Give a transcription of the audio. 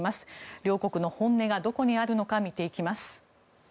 両国の本音がどこにあるのか見ていきます。